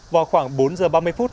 vào khoảng bốn giờ ba mươi phút